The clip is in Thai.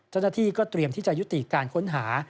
เจ้าหน้าที่ก็เตรียมที่จะยุติการค้นหา